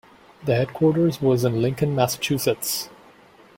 The headquarters was in Lincoln, Massachusetts.